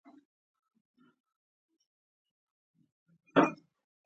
غوږونه د ماشومو چیغو سره حساس وي